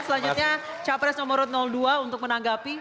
selanjutnya capres nomor dua untuk menanggapi